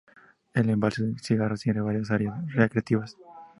El Embalse de Cijara tiene varias áreas recreativas.